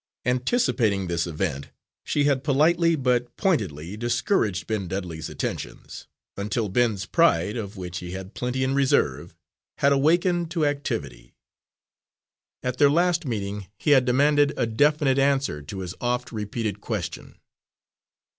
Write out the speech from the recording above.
Anticipating this event, she had politely but pointedly discouraged Ben Dudley's attentions, until Ben's pride, of which he had plenty in reserve, had awaked to activity. At their last meeting he had demanded a definite answer to his oft repeated question.